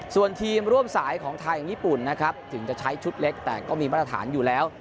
ส่วนทีมร่วมสายของไทยอย่างญี่ปุ่นนะครับถึงจะใช้ชุดเล็กแต่ก็มีมาตรฐานอยู่แล้ว